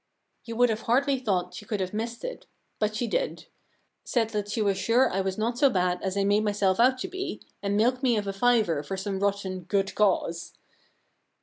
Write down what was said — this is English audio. * You would have hardly thought she could have missed it, but she did. Said that she was sure I was not so bad as I made myself out to be, and milked me of a fiver for some rotten " good cause."